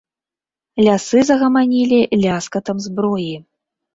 Лясы загаманілі ляскатам зброі.